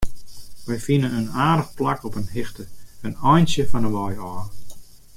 Wy fine in aardich plak op in hichte, in eintsje fan 'e wei ôf.